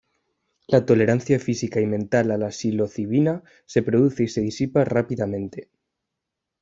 La tolerancia física y mental a la psilocibina se produce y se disipa rápidamente.